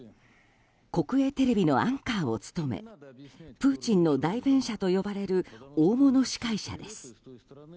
国営テレビのアンカーを務めプーチンの代弁者と呼ばれる大物司会者です。